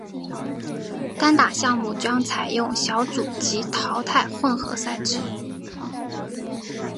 单打项目将采用小组及淘汰混合赛制。